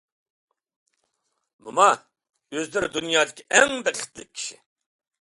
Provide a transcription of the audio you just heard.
موما، ئۆزلىرى دۇنيادىكى ئەڭ بەختلىك كىشى!